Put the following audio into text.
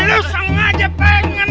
lu sengaja pengen